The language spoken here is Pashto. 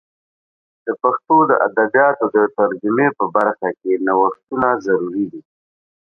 د پښتو د ادبیاتو د ترجمې په برخه کې نوښتونه ضروري دي.